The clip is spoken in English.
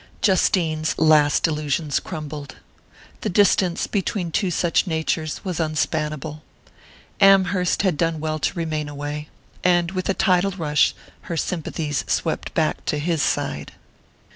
Justine's last illusions crumbled. The distance between two such natures was unspannable. Amherst had done well to remain away...and with a tidal rush her sympathies swept back to his side....